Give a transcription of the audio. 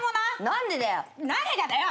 何がだよ。